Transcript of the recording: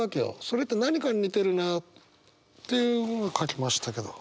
それって何かに似てるなっていうもの書きましたけど。